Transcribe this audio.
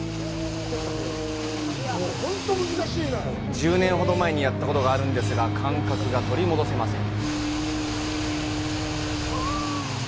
１０年ほど前にやったことがあるのですが、感覚が取り戻せません。